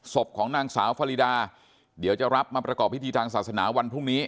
ศพของนางสาวฟารีดาเดี๋ยวจะรับมาประกอบพิธีทางศาสนาวันพรุ่งนี้